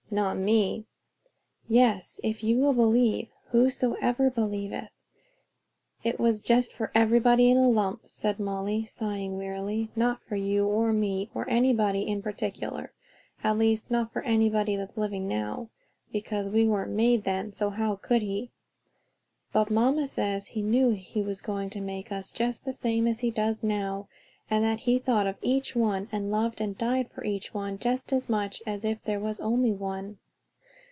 "Not me." "Yes, if you will believe. 'Whosoever believeth.'" "It was just for everybody in a lump," said Molly, sighing wearily. "Not for you or me, or anybody in particular; at least not anybody that's living now; because we weren't made then; so how could he?" "But mamma says he knew he was going to make us, just the same as he does now; and that he thought of each one, and loved and died for each one just as much as if there was only one."